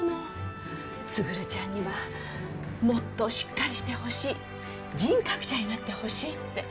卓ちゃんにはもっとしっかりしてほしい人格者になってほしいって。